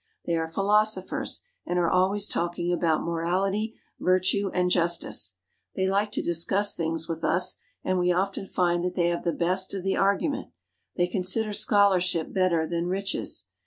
They are philosophers, and are always talk ing about morality, virtue, and justice. They like to discuss things with us, and we often find that they have the best of the argument. They consider scholar ship better than riches.